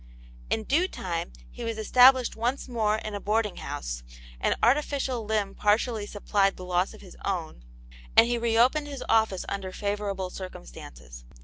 45 In due time he was established once more in a boarding house^ an artificial limb partially supplied the loss of his own, and h^ reopened his office under favourable circumstances.